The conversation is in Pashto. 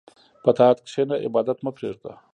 په طاعت کښېنه، عبادت مه پرېږده.